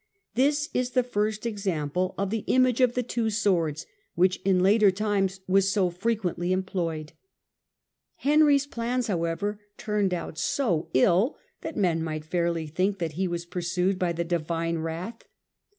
This is the first example of the image of the two swords, which in later times was so frequently employed. Henry's plans, however, turned out so ill that men might fairly think that he was pursued by the divine wi'ath.